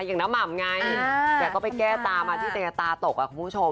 อย่างน้ำหม่ำไงแกก็ไปแก้ตามาที่แกตาตกคุณผู้ชม